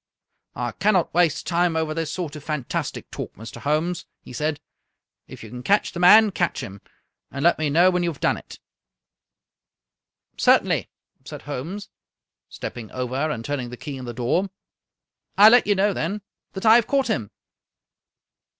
" I cannot waste time over this sort of fantastic talk, Mr. Holmes," he said. " If you can catch the man, catch him, and let me know when you have done it." " Certainly," said Holmes, stepping over and turning the key in the door. " I let you know, then, that I have caught him!"